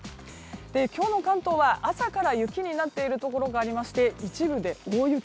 今日の関東は朝から雪になっているところがありまして一部で大雪。